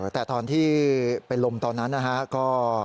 แต่ตอนที่เป็นลมตอนนั้นนะฮะก็